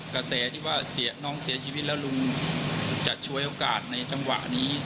กระแสที่ว่าน้องเสียชีวิตแล้วลุงจะช่วยโอกาสในจังหวะนี้